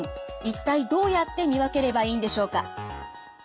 一体どうやって見分ければいいんでしょうか？